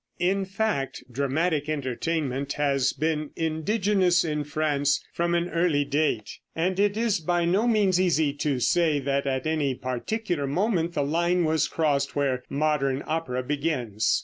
In fact, dramatic entertainment has been indigenous in France from an early date, and it is by no means easy to say that at any particular moment the line was crossed where modern opera begins.